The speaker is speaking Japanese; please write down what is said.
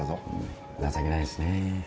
情けないですね。